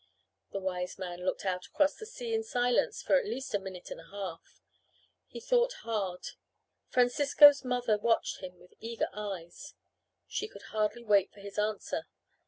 The Wiseman looked out across the sea in silence for at least a minute and a half. He thought hard. Francisco's mother watched him with eager eyes. She could hardly wait for his answer.